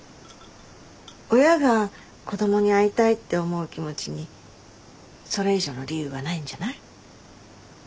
親が子供に会いたいって思う気持ちにそれ以上の理由はないんじゃない？